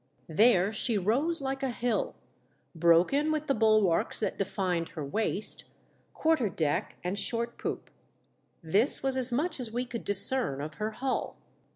There she rose like a hill, broken with the bulwarks that defined her waistj quarter deck and short A CRUEL DISASTER BEFALLS ME. 75 poop. This was as much as we could discern of her hull.